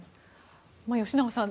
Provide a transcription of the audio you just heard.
吉永さん